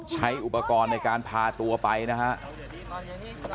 ใช้อุปกรณ์ในการพาตัวไปนะครับ